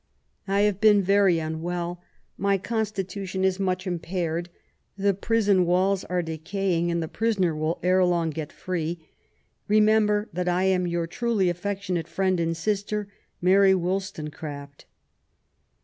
I have been very unwell ; my con stitution is much impaired ; the prison walls are decaying, and the prisoner wiU ere long get free. ... Remember that I am your truly affectionate friend and sister, Mabt Wollstonecbaft.